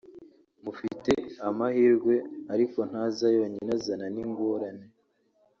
Mufite amahirwe ariko ntaza yonyine azana n’ingorane